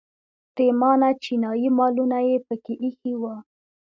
پریمانه چینایي مالونه یې په کې ایښي وو.